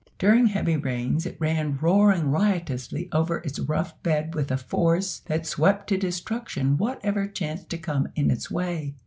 During heavy rains it ran roaring riotously over its rough bed with a force that swept to destruction whatever chanced to come in its way.